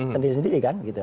sendiri sendiri kan gitu